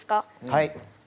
はい。